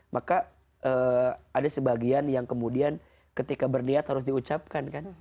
maka ada sebagian yang kemudian ketika berniat harus diucapkan kan